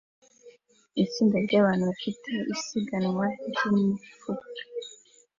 Itsinda ryabantu bafite isiganwa ryimifuka